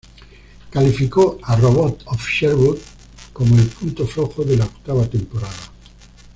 Calificó a "Robot of Sherwood" como el punto flojo de la octava temporada.